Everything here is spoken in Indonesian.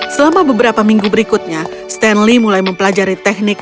selama beberapa minggu berikutnya stanley mulai mempelajari teknik